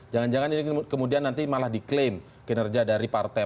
jangan jangan ini kemudian nanti malah diklaim kinerja dari partai